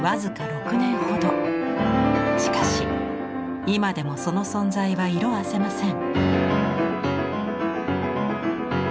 しかし今でもその存在は色あせません。